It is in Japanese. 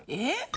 え？